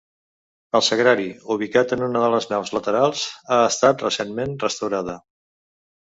El Sagrari, ubicat en una de les naus laterals, ha estat recentment restaurada.